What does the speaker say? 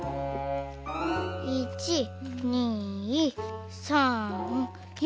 １２３４。